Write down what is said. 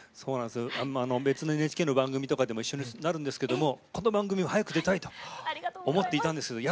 別のＮＨＫの番組とかでも一緒になるんですけどもこの番組早く出たいと思っていたんです。